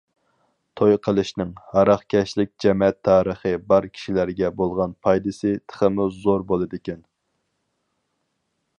توي قىلىشنىڭ« ھاراقكەشلىك جەمەت تارىخى» بار كىشىلەرگە بولغان پايدىسى تېخىمۇ زور بولىدىكەن.